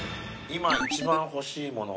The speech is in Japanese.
今一番欲しいもの？